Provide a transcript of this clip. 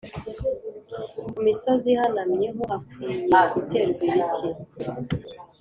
Ku misozi ihanamye ho hakwiye guterwa ibiti